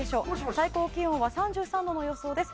最高気温は３５度の予想です。